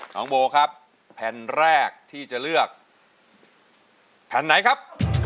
น้องโบครับแผ่นแรกที่จะเลือกแผ่นไหนครับ